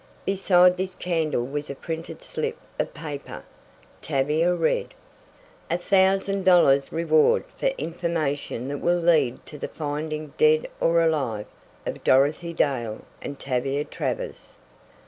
Beside this candle was a printed slip of paper. Tavia read: "A thousand dollars reward for information that will lead to the finding, dead or alive, of Dorothy Dale and Tavia Travers."